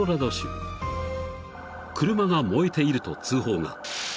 ［車が燃えていると通報が］